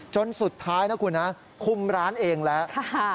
จนสุดท้ายนะคุณนะคุมร้านเองแล้ว